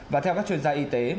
và theo các chuyên gia y tế